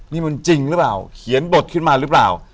นี่มันจริงหรือเปล่าเขียนบทขึ้นมาหรือเปล่า